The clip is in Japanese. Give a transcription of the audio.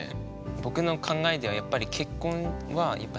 僕の考えではやっぱりうん。